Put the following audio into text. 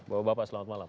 bapak bapak selamat malam